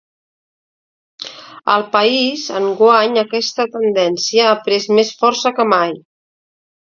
Al país, enguany aquesta tendència ha pres més força que mai.